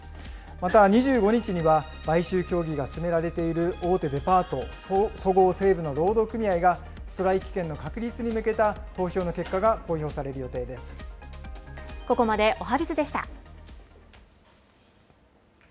また２５日には買収協議が進められている大手デパート、そごう・西武の労働組合がストライキ権の確立に向けた投票の結果ここまでおはＢｉｚでした。